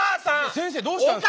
先生どうしたんですか？